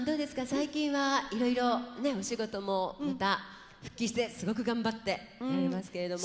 最近はいろいろねお仕事もまた復帰してすごく頑張ってられますけれども。